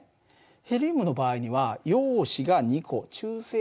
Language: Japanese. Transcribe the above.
ヘリウムの場合には陽子が２個中性子も２個。